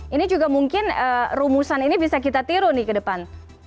ini juga mungkin rumusan ini bisa kita tiru nih ke depan